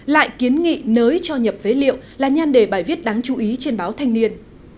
lại kiến nghị nới cho nhập phế liệu là nhan đề bài viết đáng chú ý trên báo thanh niên